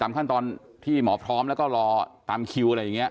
ขั้นตอนที่หมอพร้อมแล้วก็รอตามคิวอะไรอย่างนี้